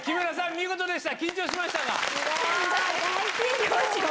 見事でした。